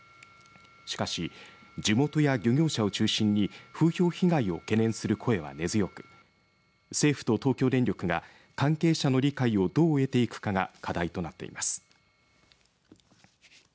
しかし、地元や漁業者を中心に風評被害を懸念する声は根強く政府と東京電力が関係者の理解をどう得ていくかが課題となっています。